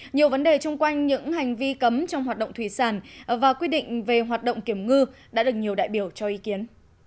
nhiều vấn đề chung quanh những hành vi cấm trong hoạt động thủy sản và quy định về hoạt động kiểm ngư đã được nhiều đại biểu cho ý kiến